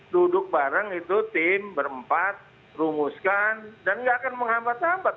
duduk bareng itu tim berempat rumuskan dan nggak akan menghambat hambat